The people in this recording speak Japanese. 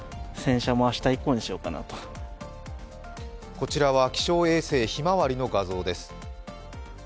こちらは気象衛星「ひまわり」の画像です。